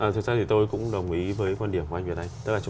thực ra thì tôi cũng đồng ý với quan điểm của anh việt này